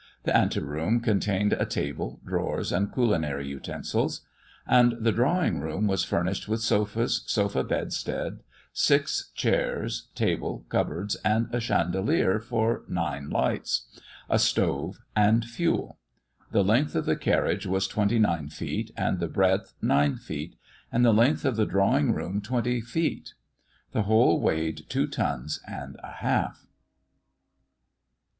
The anti room contained a table, drawers, and culinary utensils; and the drawing room was furnished with sofas, sofa bedstead, six chairs, table, cupboards, and a chandelier for nine lights; a stove and fuel. The length of the carriage was twenty nine feet, and the breadth nine feet; and the length of the drawing room twenty feet. The whole weighed two tons and a half.